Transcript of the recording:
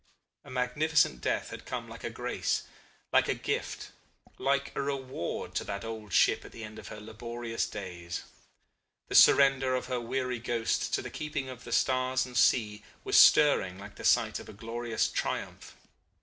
A magnificent death had come like a grace, like a gift, like a reward to that old ship at the end of her laborious days. The surrender of her weary ghost to the keeping of stars and sea was stirring like the sight of a glorious triumph.